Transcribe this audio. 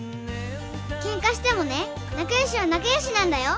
ケンカしてもね仲良しは仲良しなんだよ。